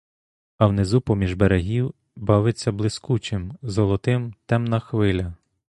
А внизу поміж берегів бавиться блискучим, золотим темна хвиля.